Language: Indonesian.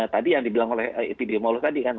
tadi yang dibilang oleh epidemiolog tadi kan